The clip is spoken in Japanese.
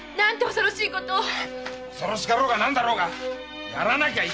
恐ろしかろうが何だろうがやらなきゃいけねえことなんだ！